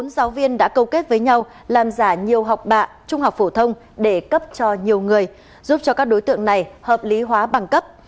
một mươi giáo viên đã câu kết với nhau làm giả nhiều học bạ trung học phổ thông để cấp cho nhiều người giúp cho các đối tượng này hợp lý hóa bằng cấp